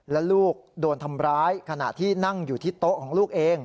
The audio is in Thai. และลูกโดนทำร้ายขณะที่นั่งอยู่ที่โต๊ะของลูกเอง